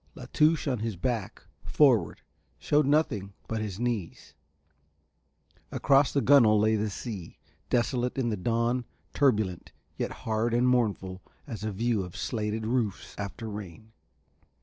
La Touche on his back, forward, shewed nothing but his knees; across the gunnel lay the sea, desolate in the dawn, turbulent, yet hard and mournful as a view of slated roofs after rain.